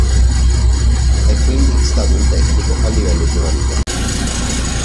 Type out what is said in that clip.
È quindi stato un tecnico a livello giovanile.